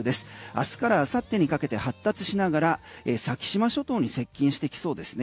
明日から明後日にかけて発達しながら先島諸島に接近してきそうですね。